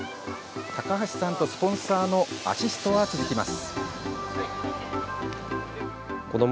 高橋さんとスポンサーのアシストは続きます。